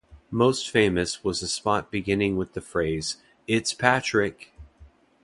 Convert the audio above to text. Most famous was a spot beginning with the phrase, It's Patrick!